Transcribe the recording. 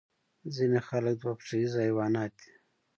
ځینې خلک دوه پښیزه حیوانات دي